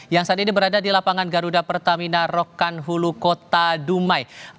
yang saat ini berada di lapangan garuda pertamina rokan hulu kota dumai